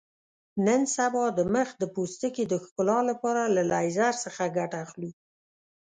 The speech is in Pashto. نن سبا د مخ د پوستکي د ښکلا لپاره له لیزر څخه ګټه اخلو.